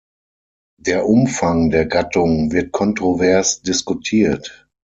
Der Umfang der Gattung wird kontrovers diskutiert.